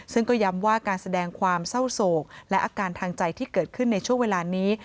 ซึ่งก็ย้ำว่าการแสดงความเศร้าโศกและอาการทางใจที่เกิดขึ้นในช่วงเวลานี้